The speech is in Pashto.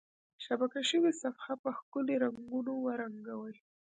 شبکه شوي صفحه په ښکلي رنګونو ورنګوئ.